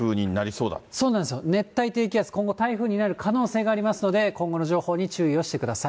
そうなんですよ、熱帯低気圧、今後、台風になる可能性がありますので、今後の情報に注意をしてください。